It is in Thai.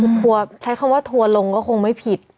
คือทัวร์ใช้คำว่าทัวร์ลงก็คงไม่ผิด